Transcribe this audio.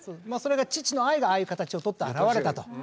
まあそれが父の愛がああいう形を取って現れたと。